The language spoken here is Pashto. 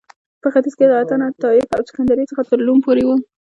په ختیځ کې له اتن، انطاکیه او سکندریې څخه تر روم پورې و